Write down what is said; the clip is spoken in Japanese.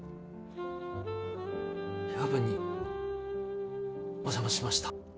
夜分にお邪魔しました。